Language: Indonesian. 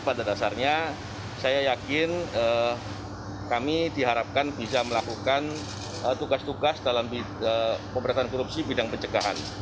pada dasarnya saya yakin kami diharapkan bisa melakukan tugas tugas dalam pemberantasan korupsi bidang pencegahan